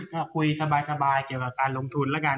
ถ้าคุยสบายเกี่ยวกับการลงทุนแล้วกัน